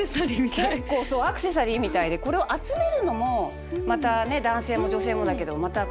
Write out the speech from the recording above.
結構アクセサリーみたいでこれを集めるのもまたね男性も女性もだけどまたそういうのもかわいくて。